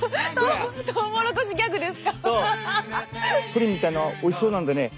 プリンみたいなのおいしそうなんでね